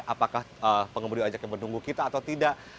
apakah pengemudi ojek yang menunggu kita atau tidak